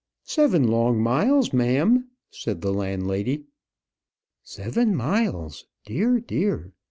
"Seven long miles, ma'am," said the landlady. "Seven miles! dear, dear.